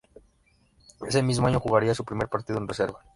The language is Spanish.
Ese mismo año jugaría su primer partido en reserva.